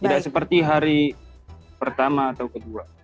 tidak seperti hari pertama atau kedua